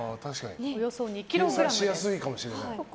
計算しやすいかもしれない。